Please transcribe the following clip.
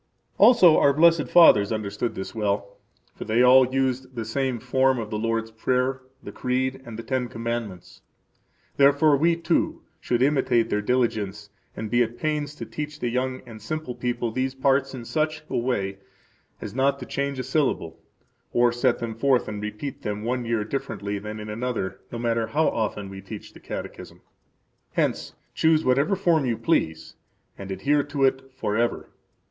Also our blessed fathers understood this well; for they all used the same form of the Lord's Prayer, the Creed, and the Ten Commandments. Therefore we, too, should [imitate their diligence and be at pains to] teach the young and simple people these parts in such a way as not to change a syllable, or set them forth and repeat them one year differently than in another [no matter how often we teach the Catechism]. Hence, choose whatever form you please, and adhere to it forever.